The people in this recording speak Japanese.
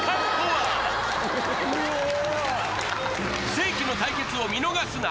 世紀の対決を見逃すな！